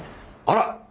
あら！